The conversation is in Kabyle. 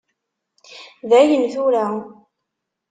Dayen tura.